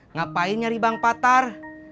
ngapain nyari bang patar